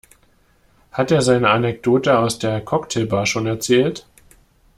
Hat er seine Anekdote aus der Cocktailbar schon erzählt?